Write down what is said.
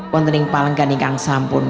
ketika palingga ini sampun